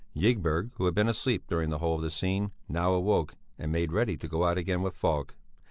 Ygberg, who had been asleep during the whole of the scene, now awoke and made ready to go out again with Falk.